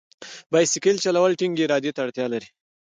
بایسکل چلول ټینګې ارادې ته اړتیا لري.